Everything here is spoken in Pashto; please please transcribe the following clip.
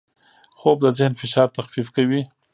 خوب د ذهن فشار تخفیف کوي